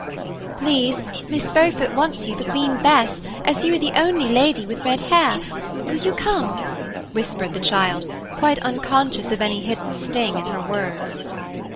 "Please, Miss Beaufort wants you for Queen Bess, as you are the only lady with red hair. Will you come?" whispered the child, quite unconscious of any hidden sting in her words.